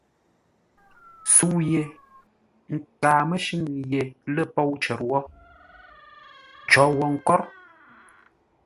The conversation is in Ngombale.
Sə̌u ye nkaa mə́shʉ́ŋ yé lə̂ pôu cər wó, cǒ wo nkór.